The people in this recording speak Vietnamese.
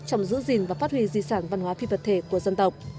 trong giữ gìn và phát huy di sản văn hóa phi vật thể của dân tộc